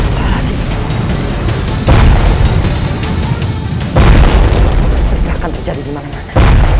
tidak akan terjadi dimana mana